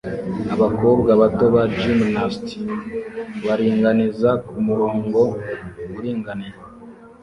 Abakobwa bato ba gymnast baringaniza kumurongo uringaniye